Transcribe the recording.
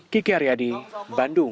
kiki aryadi bandung